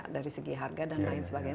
dari segi harga dan lain sebagainya